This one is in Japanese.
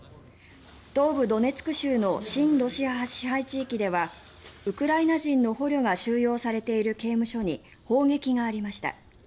東部ドネツク州の親ロシア派支配地域ではウクライナ人の捕虜が収容されている刑務所に砲撃がありました。